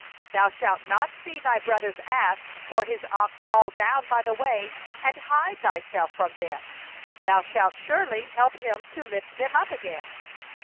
4Thou shalt not see thy brother's ass or his ox fallen down by the way, and hide thyself from them; thou shalt surely help him to lift them up again.